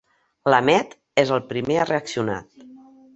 L'Ahmed és el primer a reaccionar.